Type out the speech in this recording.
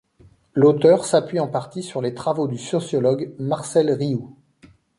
L'auteur s’appuie en partie sur les travaux du sociologue Marcel Rioux.